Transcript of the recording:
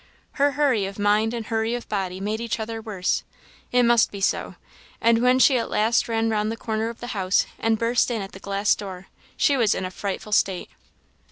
Her hurry of mind and hurry of body made each other worse; it must be so; and when she at last ran round the corner of the house and burst in at the glass door, she was in a frightful state.